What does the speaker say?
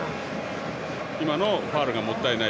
今のファウルがもったいない。